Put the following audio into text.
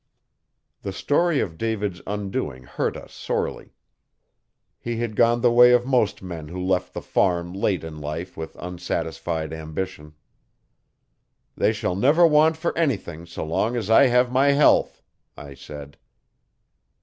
The story of David's undoing hurt us sorely. He had gone the way of most men who left the farm late in life with unsatisfied ambition. 'They shall never want for anything, so long as I have my health,' I said.